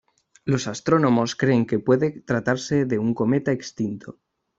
Los astrónomos creen que puede tratarse de un cometa extinto.